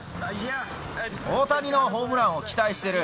大谷のホームランを期待している。